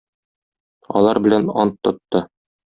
Алар белән ант тотты.